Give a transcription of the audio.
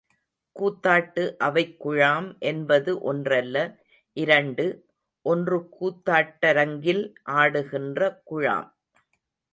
கூத்தாட்டு அவைக்குழாம் என்பது ஒன்றல்ல, இரண்டு, ஒன்று கூத்தாட்டரங்கில் ஆடுகின்ற குழாம்.